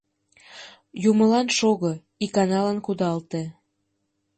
Юмылан шого, иканалан кудалте.